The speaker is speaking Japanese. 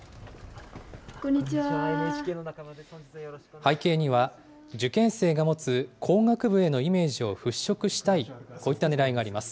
背景には、受験生が持つ工学部へのイメージを払拭したい、こういったねらいがあります。